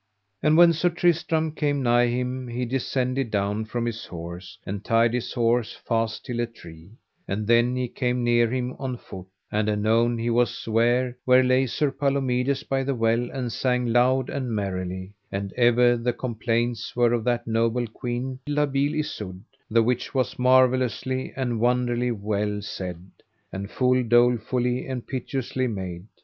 And when Sir Tristram came nigh him he descended down from his horse and tied his horse fast till a tree, and then he came near him on foot; and anon he was ware where lay Sir Palomides by the well and sang loud and merrily; and ever the complaints were of that noble queen, La Beale Isoud, the which was marvellously and wonderfully well said, and full dolefully and piteously made.